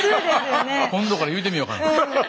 今度から言うてみようかな。